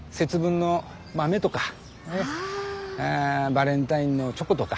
バレンタインのチョコとか。